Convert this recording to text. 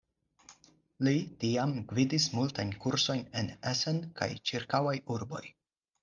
Li tiam gvidis multajn kursojn en Essen kaj ĉirkaŭaj urboj.